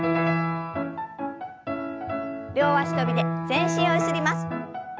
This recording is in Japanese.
両足跳びで全身をゆすります。